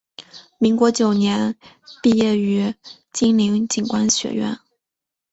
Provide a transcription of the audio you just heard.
民国九年肄业于金陵警官学校。